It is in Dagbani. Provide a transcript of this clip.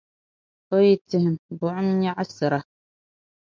O yi tihim, buɣim nyaɣisira.